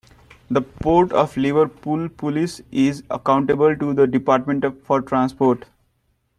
The Port of Liverpool police is accountable to the Department for Transport.